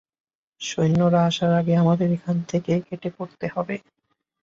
সৈন্যরা আসার আগে আমাদের এখান থেকে কেটে পড়তে হবে।